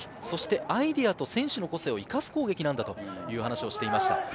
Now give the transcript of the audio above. そしてアイデアと選手の個性を生かす攻撃という話をしていました。